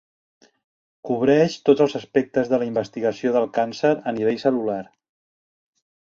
Cobreix tots els aspectes de la investigació del càncer a nivell cel·lular.